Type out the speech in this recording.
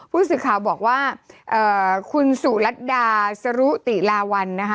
ผู้สื่อข่าวบอกว่าคุณสุรัตดาสรุติลาวัลนะคะ